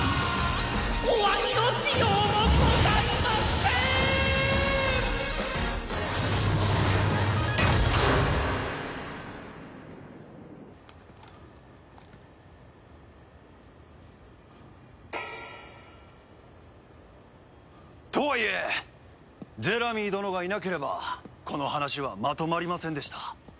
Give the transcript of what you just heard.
お詫びのしようもございません！！とはいえジェラミー殿がいなければこの話はまとまりませんでした。